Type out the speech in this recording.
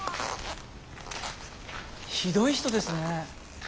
ひどい人ですねえ。